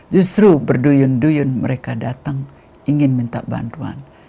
justru berduyun duyun mereka datang ingin minta bantuan